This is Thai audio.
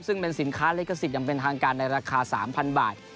ซึ่งเป็นสินค้าลิขสิทธิ์อย่างเป็นทางการในราคา๓๐๐บาท